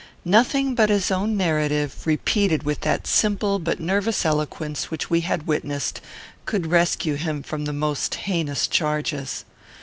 Nothing but his own narrative, repeated with that simple but nervous eloquence which we had witnessed, could rescue him from the most heinous charges.